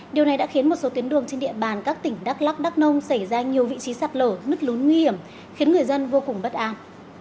điều này đã khiến một số tuyến đường trên địa bàn các tỉnh đắk lắc đắk nông xảy ra nhiều vị trí sạt lở nứt lún nguy hiểm khiến người dân vô cùng bất an